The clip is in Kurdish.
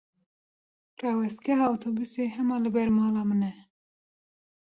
Rawestgeha otobûsê hema li ber mala min e.